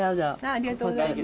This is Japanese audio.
ありがとうございます。